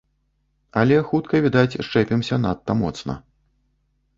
Але хутка, відаць, счэпімся надта моцна.